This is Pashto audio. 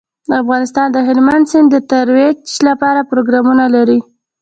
افغانستان د هلمند سیند د ترویج لپاره پروګرامونه لري.